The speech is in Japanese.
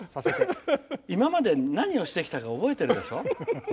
今まで何をしてきたか覚えてるでしょ？